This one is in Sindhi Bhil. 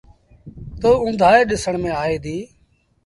تا اُندآئي ڏسڻ ميݩ آئي ديٚ۔